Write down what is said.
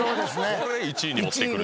これ１位に持ってくる。